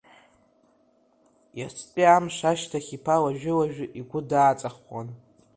Иацтәи амш ашьҭахь иԥа уажәы-уажәы игәы дааҵаххуан.